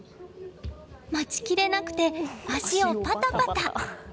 待ちきれなくて足をパタパタ。